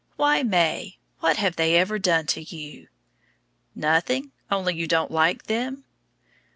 Why, May, what have they ever done to you? Nothing, only you don't like them?